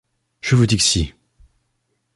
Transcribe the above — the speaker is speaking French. Je vous dis que si.